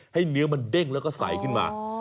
ให้เนื้อมันเด้งแล้วก็ใส่ขึ้นมา